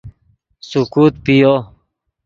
سیکوت پیو